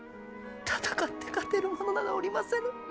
戦って勝てる者などおりませぬ！